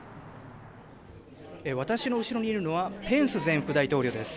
私の後ろにいるのはペンス前副大統領です。